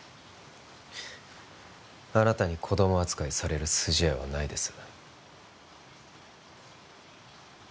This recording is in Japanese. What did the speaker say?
あなたに子ども扱いされる筋合いはないです